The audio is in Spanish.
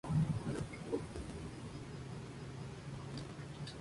Allí ejerció como Comandante de la Gendarmería Móvil de la Ciudad.